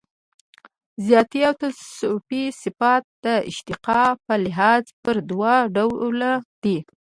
ذاتي او توصیفي صفات د اشتقاق په لحاظ پر دوه ډوله دي.